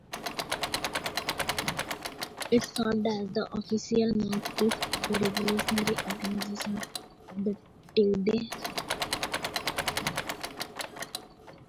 It served as the official mouthpiece of the Revolutionary Organization of the Tudeh Party.